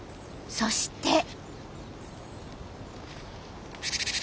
そして。